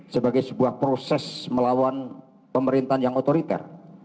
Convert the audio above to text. sebagai sebuah proses melawan pemerintahan yang otoriter